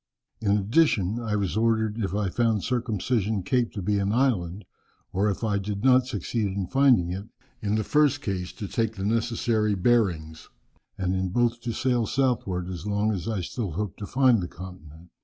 "In addition, I was ordered, if I found Circumcision Cape to be an island, or if I did not succeed in finding it, in the first case to take the necessary bearings, and in both to sail southward as long as I still hoped to find the continent.